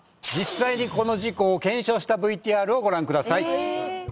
実際にこの事故を検証したＶＴＲをご覧ください